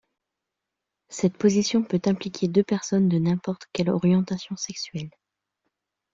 Cette position peut impliquer deux personnes de n'importe quelle orientation sexuelle.